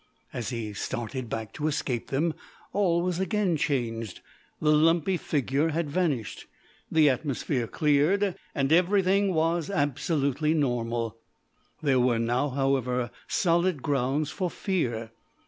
As he started back to escape them, all was again changed. The lumpy figure had vanished, the atmosphere cleared, and everything was absolutely normal. There were now, however, solid grounds for fear.